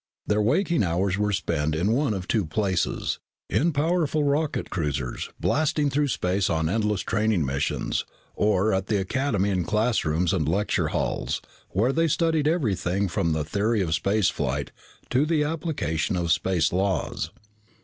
Their waking hours were spent in one of two places; in powerful rocket cruisers, blasting through space on endless training missions, or at the Academy in classrooms and lecture halls, where they studied everything from the theory of space flight to the application of space laws.